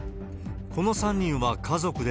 この３人は家族で、